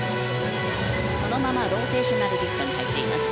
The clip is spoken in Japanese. そのままローテーショナルリフトに入りました。